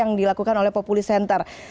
yang dilakukan oleh populi center